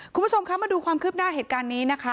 คุณผู้ชมคะมาดูความคืบหน้าเหตุการณ์นี้นะคะ